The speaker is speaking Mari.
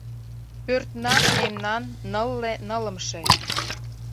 Пӧртна мемнан нылле нылымше.